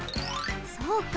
そうか。